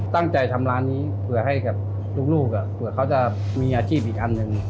ตั้งใจทำร้านนี้เผื่อให้กับลูกเผื่อเขาจะมีอาชีพอีกอันหนึ่ง